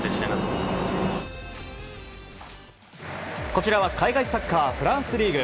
こちらは海外サッカーフランスリーグ。